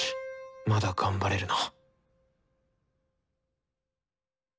まだ頑張れるな。